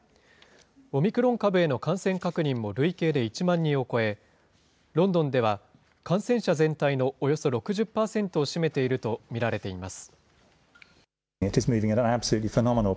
オミクロン株への感染確認も累計で１万人を超え、ロンドンでは感染者全体のおよそ６０％を占めていると見られています。